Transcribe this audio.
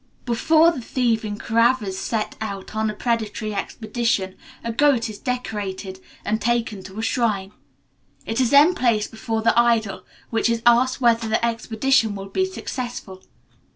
Before the thieving Koravas set out on a predatory expedition, a goat is decorated, and taken to a shrine. It is then placed before the idol, which is asked whether the expedition will be successful.